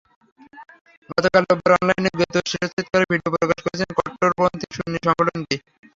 গতকাল রোববার অনলাইনে গোতোর শিরশ্ছেদ করার ভিডিও প্রকাশ করেছে কট্টরপন্থী সুন্নি সংগঠনটি।